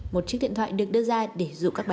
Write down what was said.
một chiếc điện thoại được đưa ra để dụ các bài